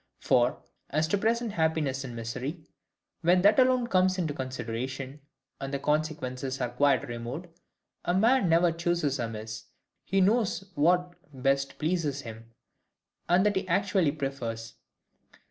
For, as to PRESENT happiness and misery, when that alone comes into consideration, and the consequences are quite removed, a man never chooses amiss: he knows what best pleases him, and that he actually prefers.